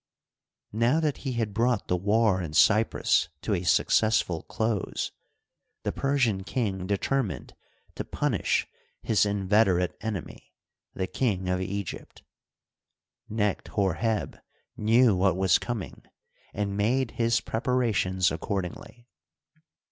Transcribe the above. Now that he had brought the war in Cyprus to a successful close, the Persian king determined to punish his inveterate enemy, the King of Egypt. Necht Hor heb knew what was com ing, and made his preparations accordingly.